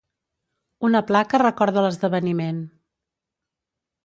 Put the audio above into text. Una placa recorda l'esdeveniment.